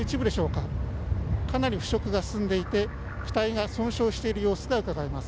かなり腐食が進んでいて機体が損傷している様子がうかがえます。